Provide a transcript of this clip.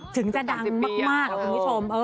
ถึงจะดังมากคุณผู้ชม